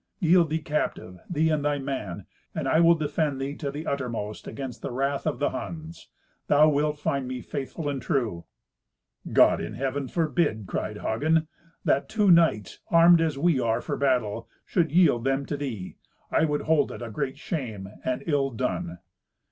Yield thee captive, thee and thy man, and I will defend thee to the uttermost against the wrath of the Huns. Thou wilt find me faithful and true." "God in Heaven forbid," cried Hagen, "that two knights, armed as we are for battle, should yield them to thee! I would hold it a great shame, and ill done."